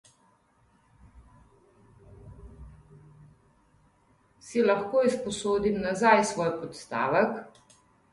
Si lahko izposodim nazaj svoj podstavek?